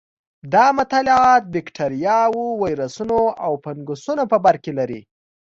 دا مطالعات بکټریاوو، ویروسونو او فنګسونو په برکې لري.